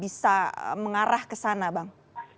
bisa mengarah kesana bang